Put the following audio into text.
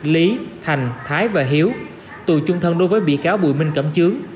lý thành thái và hiếu tù chung thân đối với bị cáo bùi minh cẩm trướng